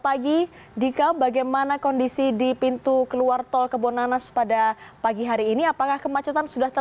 pagi dika bagaimana kondisi di pintu keluar tol kebonanas pada pagi hari ini apakah kemacetan sudah